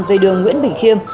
về đường nguyễn bình khiêm